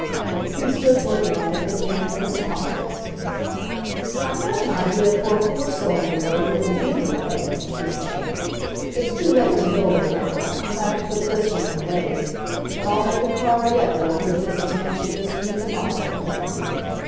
He stood looking at it, his hands in his pockets. "I've got an idea for a four cylinder motor that will beat her, though," he said. "It's too late to build it now ; we'll have to put this one in the race. But I'll make a car yet that'll beat this as much as this beats a bicycle."